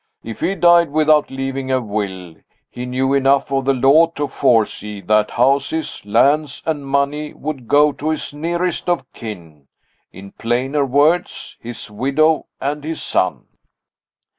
"If he died without leaving a will, he knew enough of the law to foresee that houses, lands, and money would go to his 'nearest of kin.' In plainer words, his widow and his son."